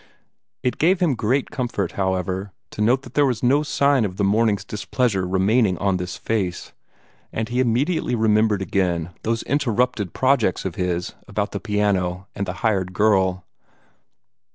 It gave him great comfort, however, to note that there were no signs of the morning's displeasure remaining on this face; and he immediately remembered again those interrupted projects of his about the piano and the hired girl.